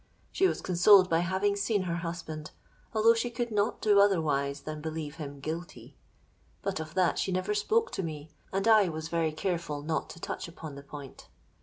She was consoled by having seen her husband, although she could not do otherwise than believe him guilty. But of that she never spoke to me; and I was very careful not to touch upon the point.